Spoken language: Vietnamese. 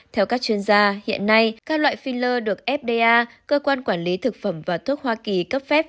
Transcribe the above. theo các chuyên gia hiện nay các loại phil được fda cơ quan quản lý thực phẩm và thuốc hoa kỳ cấp phép